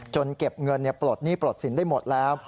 เก็บเงินปลดหนี้ปลดสินได้หมดแล้ว